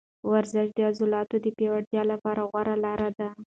ورزش د عضلاتو د پیاوړتیا لپاره غوره لاره ده.